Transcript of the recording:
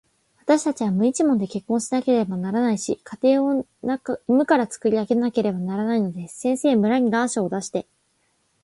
わたしたちは無一文で結婚しなければならないし、家計を無からつくり上げなければならないのです。先生、村に願書を出して、